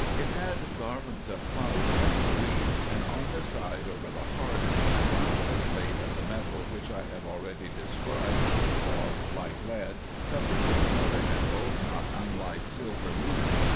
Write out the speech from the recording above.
It had garlands of flowers and leaves, and on the side over the heart I found a plate of the metal which I have already described, soft like lead, covered with another metal, not unlike silver leaf.